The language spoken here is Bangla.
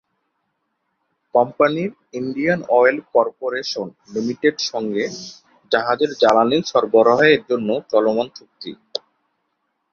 কোম্পানির ইন্ডিয়ান অয়েল কর্পোরেশন লিমিটেড সঙ্গে জাহাজের জ্বালানি সরবরাহের জন্য চলমান চুক্তি।